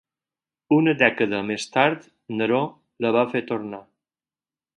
Una dècada més tard Neró la va fer tornar.